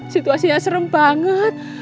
situasinya serem banget